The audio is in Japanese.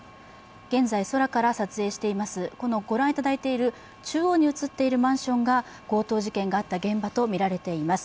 現在空から撮影していますご覧いただいている中央に映っているマンションが強盗事件があったマンションとみられています。